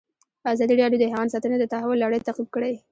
ازادي راډیو د حیوان ساتنه د تحول لړۍ تعقیب کړې.